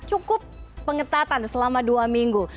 cukup pengetatan selama dua minggu